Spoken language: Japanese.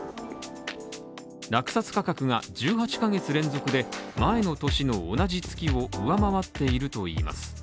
落札価格が１８ヶ月連続で前の年の同じ月を上回っているといいます